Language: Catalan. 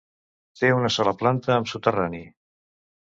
Té una sola planta amb soterrani.